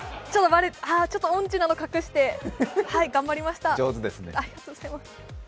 ちょっと音痴なのを隠して頑張りました。